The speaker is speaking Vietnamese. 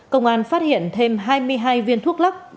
công an phát hiện thêm hai mươi hai viên thuốc lắc